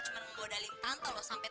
ada berita apa pak safei